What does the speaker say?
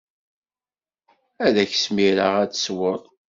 Ad ak-d-smireɣ ad tesweḍ?